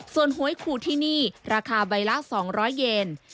ส่วนหวยขูดที่นี่ราคาใบละ๒๐๐เยน